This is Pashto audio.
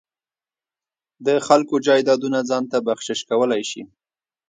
د خلکو جایدادونه ځان ته بخشش کولای شي.